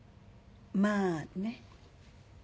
まあね。